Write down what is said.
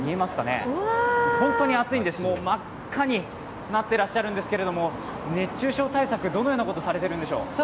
本当に暑いんです、真っ赤になっていらっしゃるんですけど、熱中症対策、どのようなことされてるんでしょう？